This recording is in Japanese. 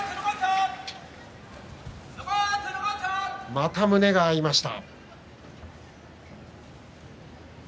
また胸が合いました。